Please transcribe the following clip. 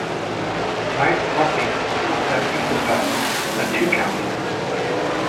Knight's offense also emphasized a two-count.